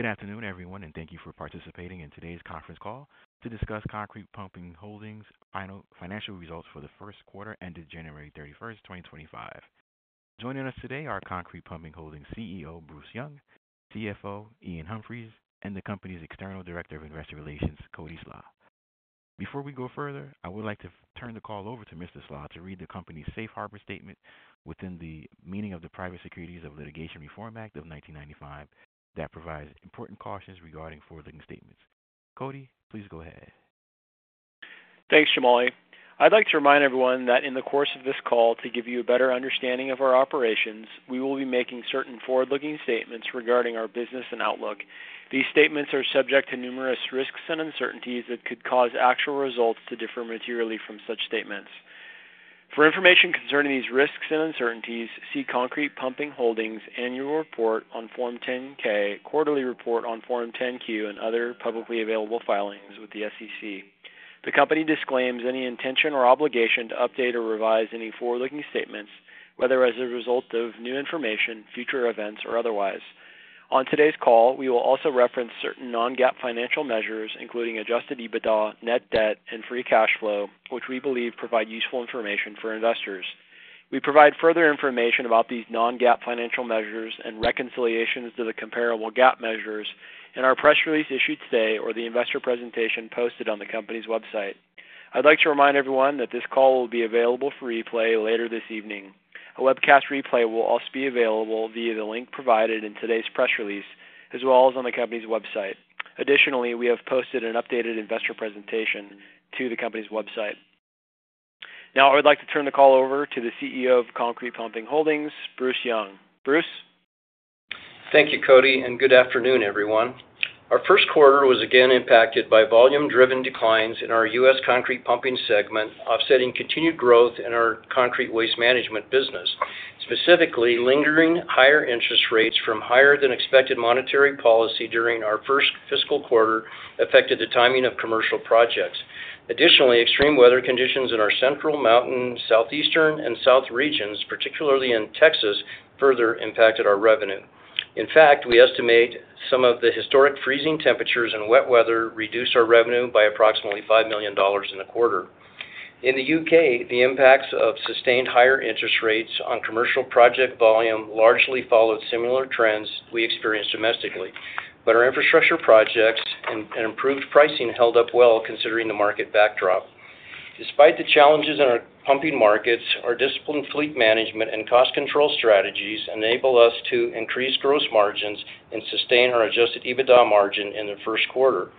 Good afternoon, everyone, and thank you for participating in today's conference call to discuss Concrete Pumping Holdings' financial results for the first quarter ended January 31, 2025. Joining us today are Concrete Pumping Holdings' CEO, Bruce Young, CFO, Iain Humphries, and the company's external director of investor relations, Cody Slach. Before we go further, I would like to turn the call over to Mr. Slach to read the company's safe harbor statement within the meaning of the Private Securities Litigation Reform Act of 1995 that provides important cautions regarding forward-looking statements. Cody, please go ahead. Thanks, Jamali. I'd like to remind everyone that in the course of this call, to give you a better understanding of our operations, we will be making certain forward-looking statements regarding our business and outlook. These statements are subject to numerous risks and uncertainties that could cause actual results to differ materially from such statements. For information concerning these risks and uncertainties, see Concrete Pumping Holdings' annual report on Form 10-K, quarterly report on Form 10-Q, and other publicly available filings with the SEC. The company disclaims any intention or obligation to update or revise any forward-looking statements, whether as a result of new information, future events, or otherwise. On today's call, we will also reference certain non-GAAP financial measures, including adjusted EBITDA, net debt, and free cash flow, which we believe provide useful information for investors. We provide further information about these non-GAAP financial measures and reconciliations to the comparable GAAP measures in our press release issued today or the investor presentation posted on the company's website. I'd like to remind everyone that this call will be available for replay later this evening. A webcast replay will also be available via the link provided in today's press release, as well as on the company's website. Additionally, we have posted an updated investor presentation to the company's website. Now, I would like to turn the call over to the CEO of Concrete Pumping Holdings, Bruce Young. Bruce? Thank you, Cody, and good afternoon, everyone. Our first quarter was again impacted by volume-driven declines in our U.S. concrete pumping segment, offsetting continued growth in our concrete waste management business. Specifically, lingering higher interest rates from higher-than-expected monetary policy during our first fiscal quarter affected the timing of commercial projects. Additionally, extreme weather conditions in our Central, Mountain, Southeastern, and South regions, particularly in Texas, further impacted our revenue. In fact, we estimate some of the historic freezing temperatures and wet weather reduced our revenue by approximately $5 million in the quarter. In the U.K., the impacts of sustained higher interest rates on commercial project volume largely followed similar trends we experienced domestically, but our infrastructure projects and improved pricing held up well considering the market backdrop. Despite the challenges in our pumping markets, our disciplined fleet management and cost control strategies enable us to increase gross margins and sustain our adjusted EBITDA margin in the first quarter.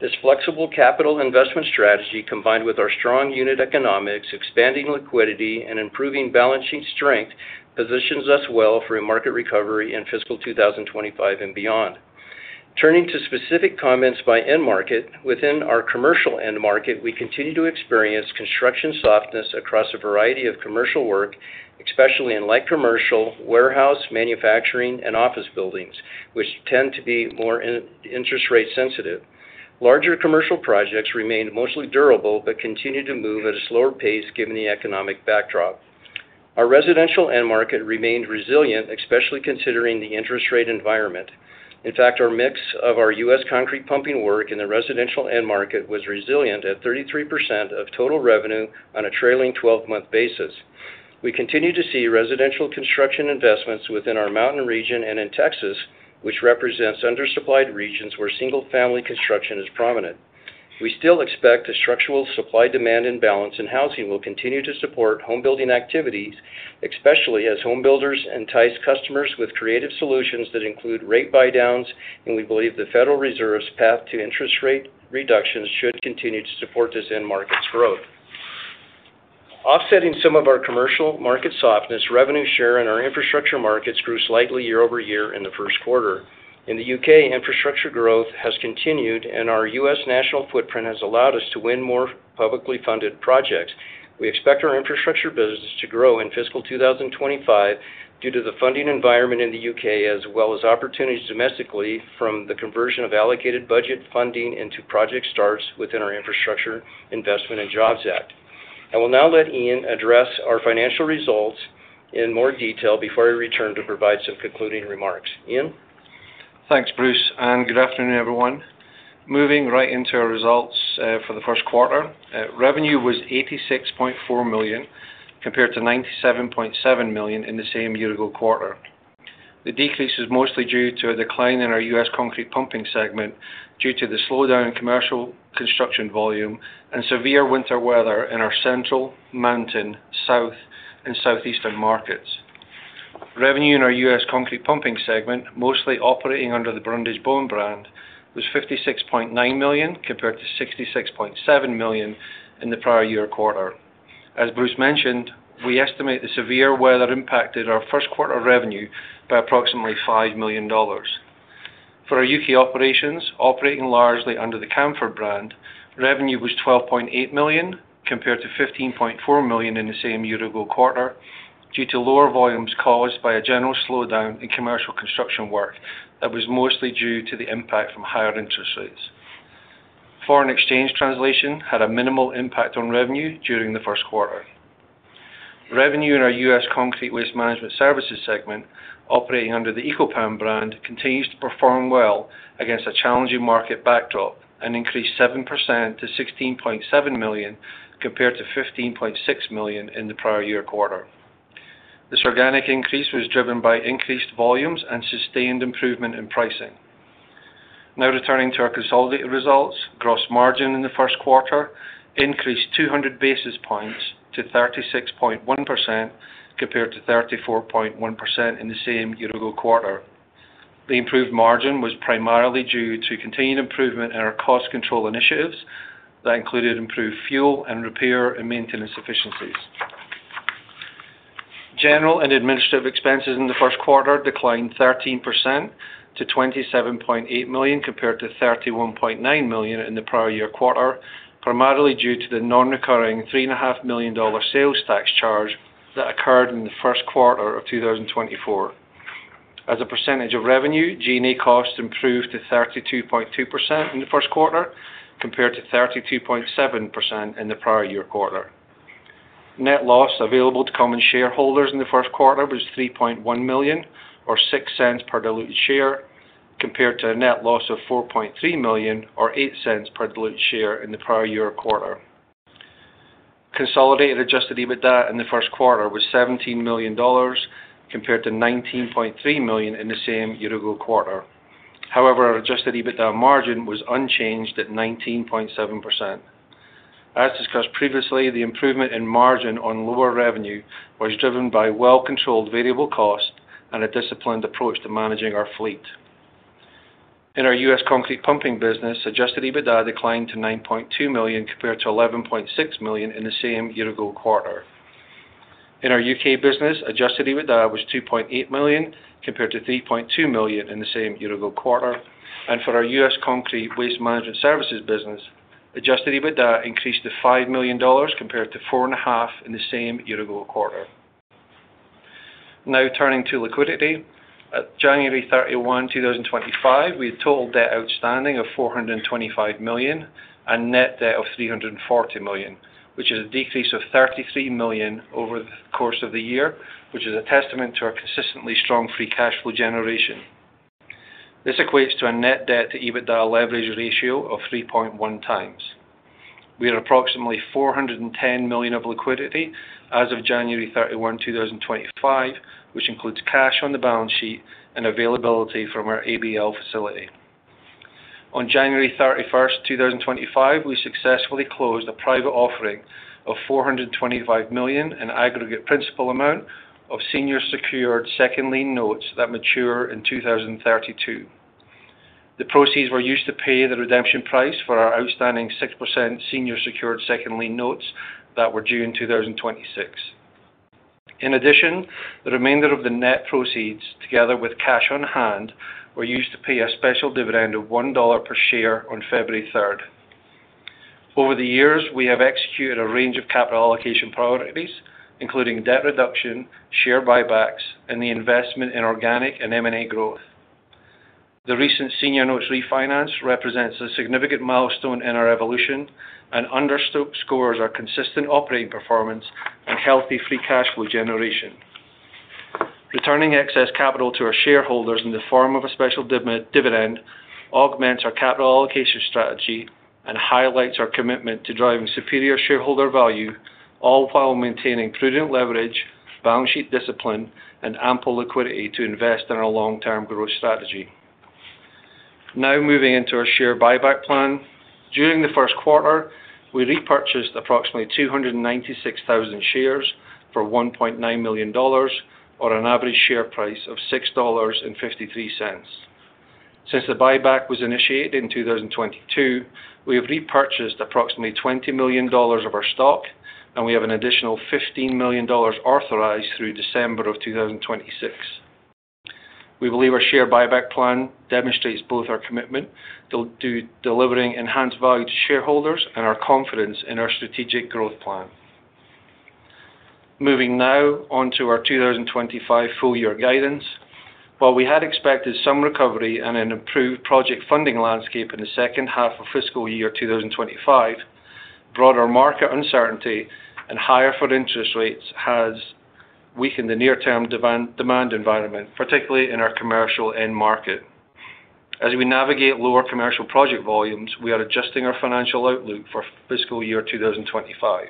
This flexible capital investment strategy, combined with our strong unit economics, expanding liquidity, and improving balance sheet strength, positions us well for a market recovery in fiscal 2025 and beyond. Turning to specific comments by end market, within our commercial end market, we continue to experience construction softness across a variety of commercial work, especially in light commercial, warehouse, manufacturing, and office buildings, which tend to be more interest rate sensitive. Larger commercial projects remain mostly durable but continue to move at a slower pace given the economic backdrop. Our residential end market remained resilient, especially considering the interest rate environment. In fact, our mix of our U.S. Concrete pumping work in the residential end market was resilient at 33% of total revenue on a trailing 12-month basis. We continue to see residential construction investments within our Mountain region and in Texas, which represents undersupplied regions where single-family construction is prominent. We still expect a structural supply-demand imbalance, and housing will continue to support home-building activities, especially as home builders entice customers with creative solutions that include rate buy-downs, and we believe the Federal Reserve's path to interest rate reductions should continue to support this end market's growth. Offsetting some of our commercial market softness, revenue share in our infrastructure markets grew slightly year over year in the first quarter. In the U.K., infrastructure growth has continued, and our U.S. national footprint has allowed us to win more publicly funded projects. We expect our infrastructure business to grow in fiscal 2025 due to the funding environment in the U.K., as well as opportunities domestically from the conversion of allocated budget funding into project starts within our Infrastructure Investment and Jobs Act. I will now let Iain address our financial results in more detail before I return to provide some concluding remarks. Iain? Thanks, Bruce, and good afternoon, everyone. Moving right into our results for the first quarter, revenue was $86.4 million compared to $97.7 million in the same year-ago quarter. The decrease is mostly due to a decline in our U.S. concrete pumping segment due to the slowdown in commercial construction volume and severe winter weather in our Central, Mountain, South, and Southeastern markets. Revenue in our U.S. concrete pumping segment, mostly operating under the Brundage-Bone brand, was $56.9 million compared to $66.7 million in the prior year quarter. As Bruce mentioned, we estimate the severe weather impacted our first quarter revenue by approximately $5 million. For our U.K. Operations, operating largely under the Camfaud brand, revenue was $12.8 million compared to $15.4 million in the same year-ago quarter due to lower volumes caused by a general slowdown in commercial construction work that was mostly due to the impact from higher interest rates. Foreign exchange translation had a minimal impact on revenue during the first quarter. Revenue in our U.S. concrete waste management services segment, operating under the Eco-Pan brand, continues to perform well against a challenging market backdrop and increased 7% to $16.7 million compared to $15.6 million in the prior year quarter. This organic increase was driven by increased volumes and sustained improvement in pricing. Now returning to our consolidated results, gross margin in the first quarter increased 200 basis points to 36.1% compared to 34.1% in the same year-ago quarter. The improved margin was primarily due to continued improvement in our cost control initiatives that included improved fuel and repair and maintenance efficiencies. General and administrative expenses in the first quarter declined 13% to $27.8 million compared to $31.9 million in the prior year quarter, primarily due to the non-recurring $3.5 million sales tax charge that occurred in the first quarter of 2024. As a percentage of revenue, G&A costs improved to 32.2% in the first quarter compared to 32.7% in the prior year quarter. Net loss available to common shareholders in the first quarter was $3.1 million, or $0.06 per diluted share, compared to a net loss of $4.3 million, or $0.08 per diluted share in the prior year quarter. Consolidated adjusted EBITDA in the first quarter was $17 million compared to $19.3 million in the same year-ago quarter. However, our adjusted EBITDA margin was unchanged at 19.7%. As discussed previously, the improvement in margin on lower revenue was driven by well-controlled variable costs and a disciplined approach to managing our fleet. In our U.S. concrete pumping business, adjusted EBITDA declined to $9.2 million compared to $11.6 million in the same year-ago quarter. In our U.K. business, adjusted EBITDA was $2.8 million compared to $3.2 million in the same year-ago quarter. For our U.S. concrete waste management services business, adjusted EBITDA increased to $5 million compared to $4.5 million in the same year-ago quarter. Now turning to liquidity, at January 31, 2025, we had total debt outstanding of $425 million and net debt of $340 million, which is a decrease of $33 million over the course of the year, which is a testament to our consistently strong free cash flow generation. This equates to a net debt-to-EBITDA leverage ratio of 3.1x. We had approximately $410 million of liquidity as of January 31, 2025, which includes cash on the balance sheet and availability from our ABL facility. On January 31, 2025, we successfully closed a private offering of $425 million in aggregate principal amount of senior-secured second lien notes that mature in 2032. The proceeds were used to pay the redemption price for our outstanding 6% senior-secured second lien notes that were due in 2026. In addition, the remainder of the net proceeds, together with cash on hand, were used to pay a special dividend of $1 per share on February 3. Over the years, we have executed a range of capital allocation priorities, including debt reduction, share buybacks, and the investment in organic and M&A growth. The recent senior notes refinance represents a significant milestone in our evolution and underscores our consistent operating performance and healthy free cash flow generation. Returning excess capital to our shareholders in the form of a special dividend augments our capital allocation strategy and highlights our commitment to driving superior shareholder value, all while maintaining prudent leverage, balance sheet discipline, and ample liquidity to invest in our long-term growth strategy. Now moving into our share buyback plan, during the first quarter, we repurchased approximately 296,000 shares for $1.9 million, or an average share price of $6.53. Since the buyback was initiated in 2022, we have repurchased approximately $20 million of our stock, and we have an additional $15 million authorized through December of 2026. We believe our share buyback plan demonstrates both our commitment to delivering enhanced value to shareholders and our confidence in our strategic growth plan. Moving now on to our 2025 full-year guidance, while we had expected some recovery and an improved project funding landscape in the second half of fiscal year 2025, broader market uncertainty and higher interest rates has weakened the near-term demand environment, particularly in our commercial end market. As we navigate lower commercial project volumes, we are adjusting our financial outlook for fiscal year 2025.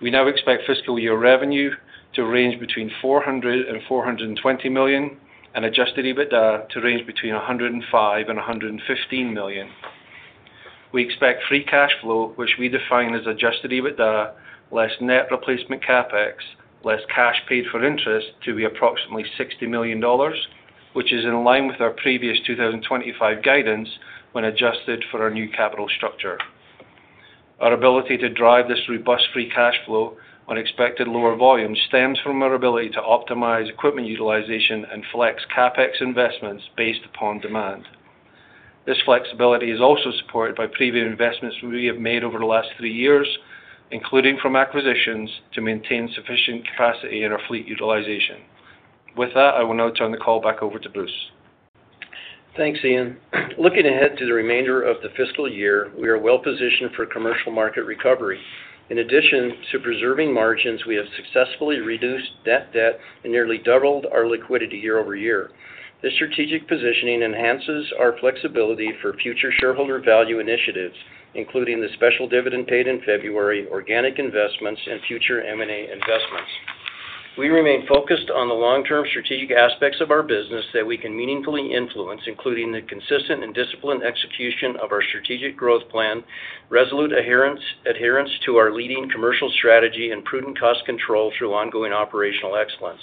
We now expect fiscal year revenue to range between $400 million-$420 million and adjusted EBITDA to range between $105 million-$115 million. We expect free cash flow, which we define as adjusted EBITDA less net replacement CapEx, less cash paid for interest to be approximately $60 million, which is in line with our previous 2025 guidance when adjusted for our new capital structure. Our ability to drive this robust free cash flow on expected lower volumes stems from our ability to optimize equipment utilization and flex CapEx investments based upon demand. This flexibility is also supported by previous investments we have made over the last three years, including from acquisitions to maintain sufficient capacity in our fleet utilization. With that, I will now turn the call back over to Bruce. Thanks, Iain. Looking ahead to the remainder of the fiscal year, we are well positioned for commercial market recovery. In addition to preserving margins, we have successfully reduced net debt and nearly doubled our liquidity year-over-year. This strategic positioning enhances our flexibility for future shareholder value initiatives, including the special dividend paid in February, organic investments, and future M&A investments. We remain focused on the long-term strategic aspects of our business that we can meaningfully influence, including the consistent and disciplined execution of our strategic growth plan, resolute adherence to our leading commercial strategy, and prudent cost control through ongoing operational excellence.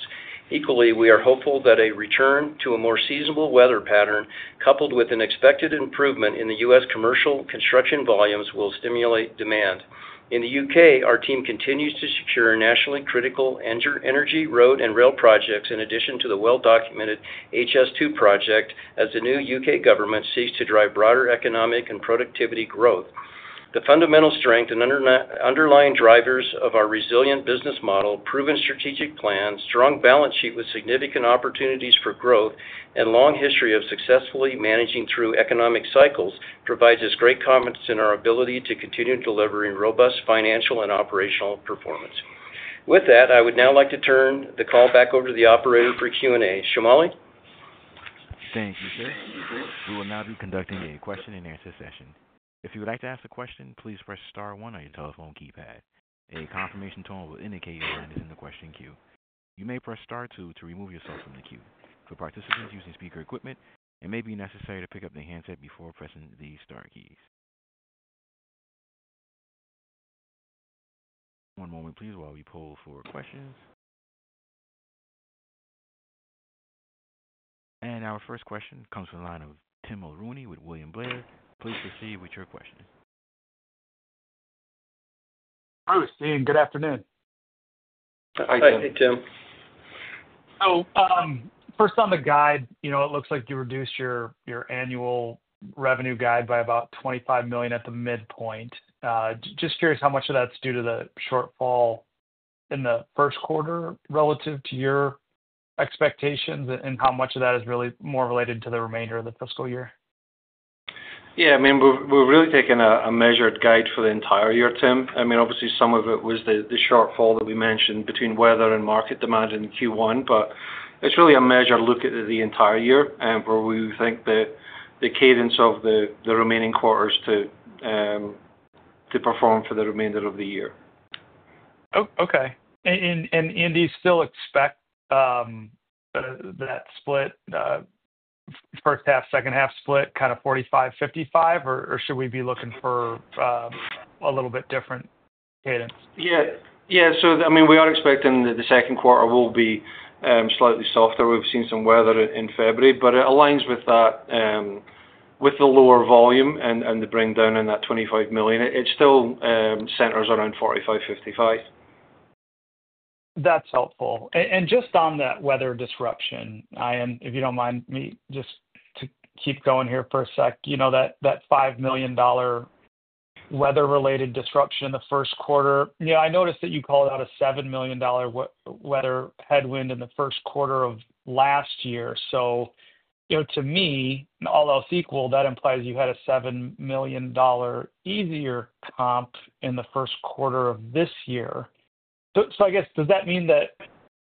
Equally, we are hopeful that a return to a more seasonable weather pattern, coupled with an expected improvement in the U.S. commercial construction volumes, will stimulate demand. In the U.K., our team continues to secure nationally critical energy, road, and rail projects, in addition to the well-documented HS2 project, as the new U.K. government seeks to drive broader economic and productivity growth. The fundamental strength and underlying drivers of our resilient business model, proven strategic plan, strong balance sheet with significant opportunities for growth, and long history of successfully managing through economic cycles provide us great confidence in our ability to continue delivering robust financial and operational performance. With that, I would now like to turn the call back over to the operator for Q&A. Jamali. Thank you, sir. We will now be conducting a question-and-answer session. If you would like to ask a question, please press star one on your telephone keypad. A confirmation tone will indicate your line is in the question queue. You may press star two to remove yourself from the queue. For participants using speaker equipment, it may be necessary to pick up the handset before pressing the star keys. One moment, please, while we pull for questions. Our first question comes from the line of Tim Mulrooney with William Blair. Please proceed with your question. Hi, listening. Good afternoon. Hi, Tim. Hi, Tim. Hello. First, on the guide, it looks like you reduced your annual revenue guide by about $25 million at the midpoint. Just curious how much of that's due to the shortfall in the first quarter relative to your expectations and how much of that is really more related to the remainder of the fiscal year? Yeah. I mean, we're really taking a measured guide for the entire year, Tim. I mean, obviously, some of it was the shortfall that we mentioned between weather and market demand in Q1, but it's really a measured look at the entire year and where we think the cadence of the remaining quarters to perform for the remainder of the year. Okay. Do you still expect that split, first half, second half split, kind of 45-55, or should we be looking for a little bit different cadence? Yeah. Yeah. I mean, we are expecting the second quarter will be slightly softer. We've seen some weather in February, but it aligns with the lower volume and the bringdown in that $25 million. It still centers around 45-55. That's helpful. Just on that weather disruption, Iain, if you don't mind me just to keep going here for a sec, that $5 million weather-related disruption in the first quarter, I noticed that you called out a $7 million weather headwind in the first quarter of last year. To me, all else equal, that implies you had a $7 million easier comp in the first quarter of this year. I guess, does that mean that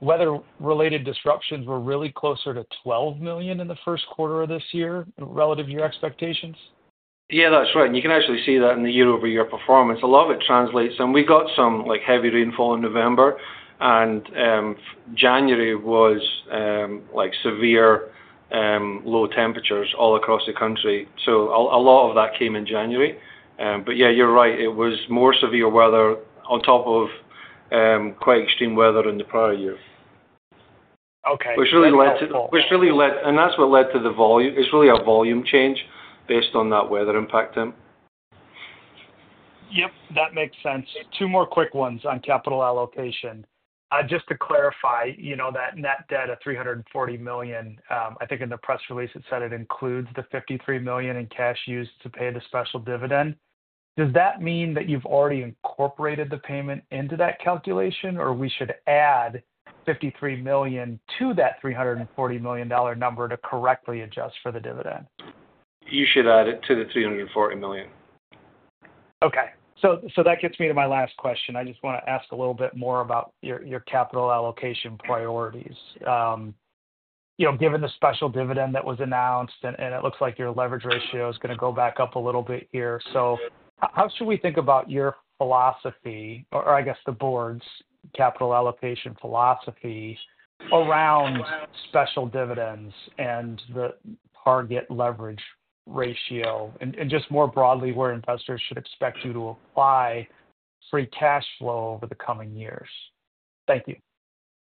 weather-related disruptions were really closer to $12 million in the first quarter of this year relative to your expectations? Yeah, that's right. You can actually see that in the year-over-year performance. A lot of it translates. We got some heavy rainfall in November, and January was severe low temperatures all across the country. A lot of that came in January. Yeah, you're right. It was more severe weather on top of quite extreme weather in the prior year. Okay. Which really led to—and that is what led to the volume. It is really a volume change based on that weather impact, Tim. Yep. That makes sense. Two more quick ones on capital allocation. Just to clarify, that net debt of $340 million, I think in the press release, it said it includes the $53 million in cash used to pay the special dividend. Does that mean that you've already incorporated the payment into that calculation, or we should add $53 million to that $340 million number to correctly adjust for the dividend? You should add it to the $340 million. Okay. That gets me to my last question. I just want to ask a little bit more about your capital allocation priorities. Given the special dividend that was announced, and it looks like your leverage ratio is going to go back up a little bit here. How should we think about your philosophy, or I guess the board's capital allocation philosophy around special dividends and the target leverage ratio, and just more broadly, where investors should expect you to apply free cash flow over the coming years? Thank you.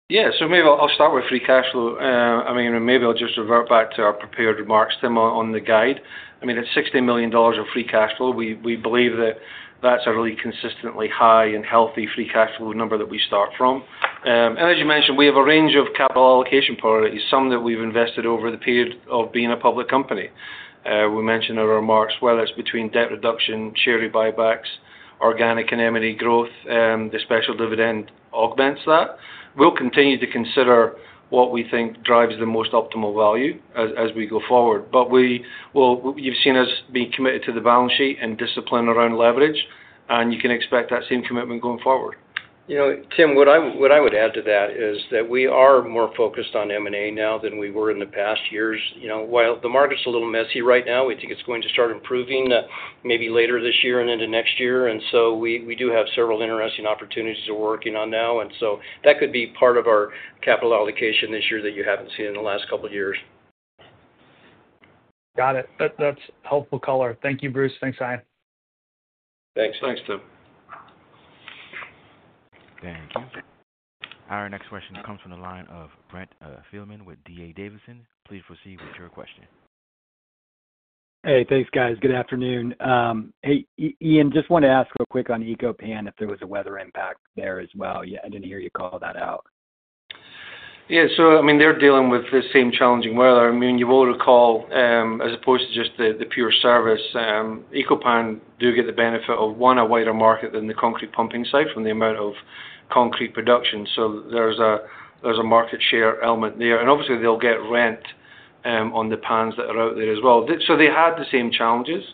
Yeah. Maybe I'll start with free cash flow. I mean, maybe I'll just revert back to our prepared remarks, Tim, on the guide. I mean, at $60 million of free cash flow, we believe that that's a really consistently high and healthy free cash flow number that we start from. As you mentioned, we have a range of capital allocation priorities, some that we've invested over the period of being a public company. We mentioned in our remarks, whether it's between debt reduction, share buybacks, organic and M&A growth, the special dividend augments that. We'll continue to consider what we think drives the most optimal value as we go forward. You've seen us being committed to the balance sheet and discipline around leverage, and you can expect that same commitment going forward. Tim, what I would add to that is that we are more focused on M&A now than we were in the past years. While the market's a little messy right now, we think it's going to start improving maybe later this year and into next year. We do have several interesting opportunities we're working on now. That could be part of our capital allocation this year that you haven't seen in the last couple of years. Got it. That's helpful color. Thank you, Bruce. Thanks, Iain. Thanks. Thanks, Tim. Thank you. Our next question comes from the line of Brent Thielman with D.A. Davidson. Please proceed with your question. Hey, thanks, guys. Good afternoon. Iain, just wanted to ask real quick on Eco-Pan if there was a weather impact there as well. I did not hear you call that out. Yeah. I mean, they're dealing with the same challenging weather. I mean, you will recall, as opposed to just the pure service, Eco-Pan do get the benefit of, one, a wider market than the concrete pumping side from the amount of concrete production. So there's a market share element there. And obviously, they'll get rent on the pans that are out there as well. They had the same challenges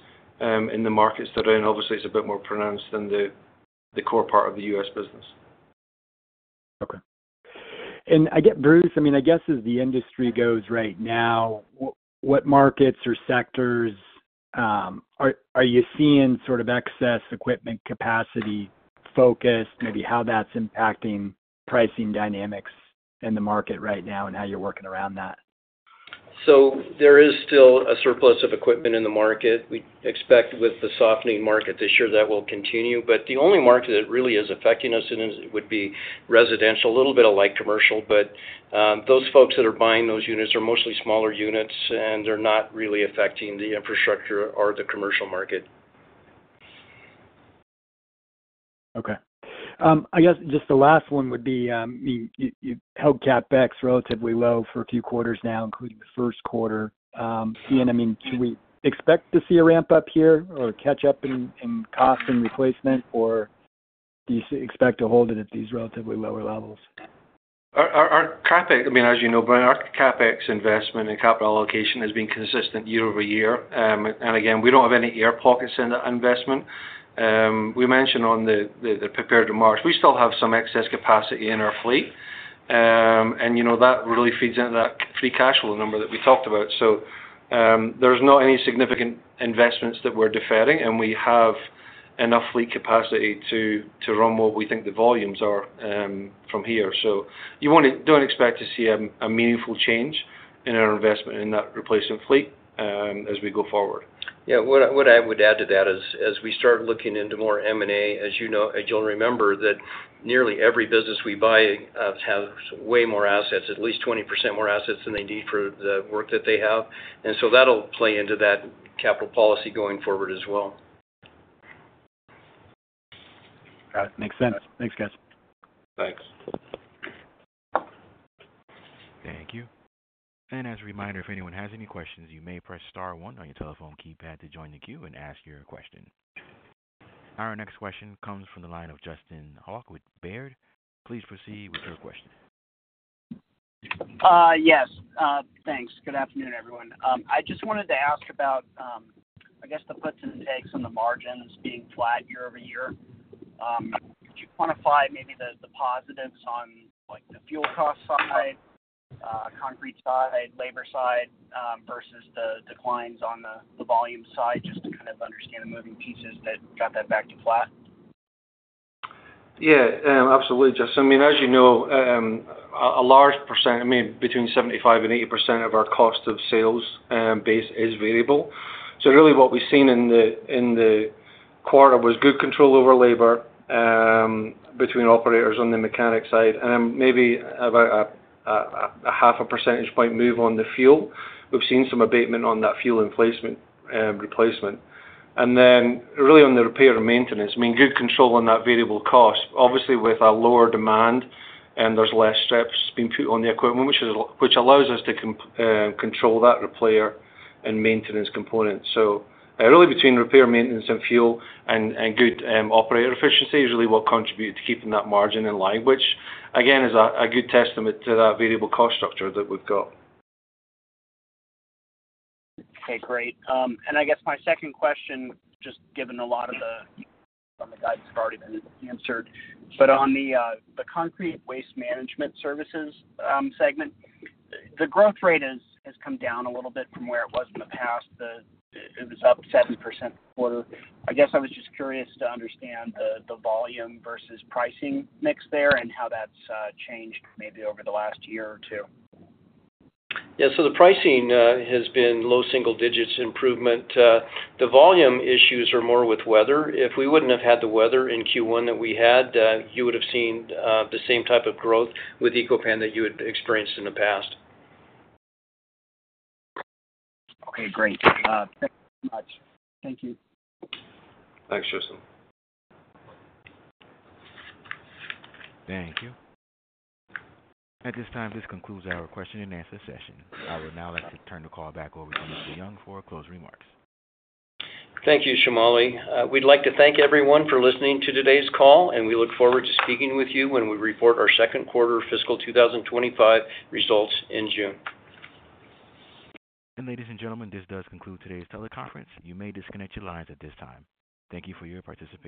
in the markets that they're in. Obviously, it's a bit more pronounced than the core part of the U.S. business. Okay. I guess, Bruce, I mean, I guess as the industry goes right now, what markets or sectors are you seeing sort of excess equipment capacity focused, maybe how that's impacting pricing dynamics in the market right now and how you're working around that? There is still a surplus of equipment in the market. We expect with the softening market this year, that will continue. The only market that really is affecting us would be residential, a little bit like commercial. Those folks that are buying those units are mostly smaller units, and they are not really affecting the infrastructure or the commercial market. Okay. I guess just the last one would be, I mean, you held CapEx relatively low for a few quarters now, including the first quarter. Iain, I mean, should we expect to see a ramp up here or catch up in cost and replacement, or do you expect to hold it at these relatively lower levels? I mean, as you know, Brent, our CapEx investment and capital allocation has been consistent year over year. Again, we do not have any air pockets in that investment. We mentioned on the prepared remarks, we still have some excess capacity in our fleet. That really feeds into that free cash flow number that we talked about. There are not any significant investments that we are deferring, and we have enough fleet capacity to run what we think the volumes are from here. You do not expect to see a meaningful change in our investment in that replacement fleet as we go forward. Yeah. What I would add to that is as we start looking into more M&A, as you'll remember, that nearly every business we buy has way more assets, at least 20% more assets than they need for the work that they have. That'll play into that capital policy going forward as well. That makes sense. Thanks, guys. Thanks. Thank you. As a reminder, if anyone has any questions, you may press Star 1 on your telephone keypad to join the queue and ask your question. Our next question comes from the line of Justin Hauke with Baird. Please proceed with your question. Yes. Thanks. Good afternoon, everyone. I just wanted to ask about, I guess, the puts and the takes on the margins being flat year over year. Could you quantify maybe the positives on the fuel cost side, concrete side, labor side, versus the declines on the volume side just to kind of understand the moving pieces that got that back to flat? Yeah. Absolutely, Justin. I mean, as you know, a large percent, I mean, between 75%-80% of our cost of sales base is variable. What we have seen in the quarter was good control over labor between operators on the mechanic side, and then maybe about a half a percentage point move on the fuel. We have seen some abatement on that fuel replacement. On the repair and maintenance, I mean, good control on that variable cost. Obviously, with our lower demand, there are fewer strips being put on the equipment, which allows us to control that repair and maintenance component. Between repair, maintenance, and fuel and good operator efficiency is really what contributed to keeping that margin in line, which, again, is a good testament to that variable cost structure that we have got. Okay. Great. I guess my second question, just given a lot of the guidance has already been answered, on the concrete waste management services segment, the growth rate has come down a little bit from where it was in the past. It was up 7% this quarter. I guess I was just curious to understand the volume versus pricing mix there and how that's changed maybe over the last year or two. Yeah. The pricing has been low single-digit improvement. The volume issues are more with weather. If we would not have had the weather in Q1 that we had, you would have seen the same type of growth with Eco-Pan that you had experienced in the past. Okay. Great. Thank you very much. Thank you. Thanks, Justin. Thank you. At this time, this concludes our question and answer session. I would now like to turn the call back over to Mr. Young for closing remarks. Thank you, Jamali. We'd like to thank everyone for listening to today's call, and we look forward to speaking with you when we report our second quarter of fiscal 2025 results in June. Ladies and gentlemen, this does conclude today's teleconference. You may disconnect your lines at this time. Thank you for your participation.